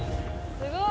すごい！